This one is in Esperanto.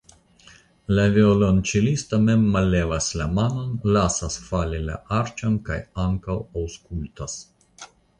La violonĉelisto mem mallevas la manon, lasas fali la arĉon kaj ankaŭ aŭskultas.